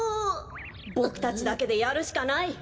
ボクたちだけでやるしかない！